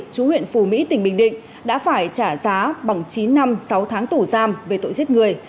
chú huyện phù mỹ tỉnh bình định đã phải trả giá bằng chín năm sáu tháng tù giam về tội giết người